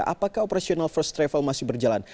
apakah operasional first travel masih berjalan